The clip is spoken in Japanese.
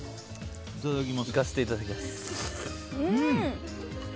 いかせていただきます。